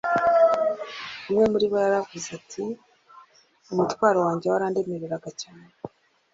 Umwe muri bo yaravuze ati : «umutwaro wanjye warandemereraga cyane,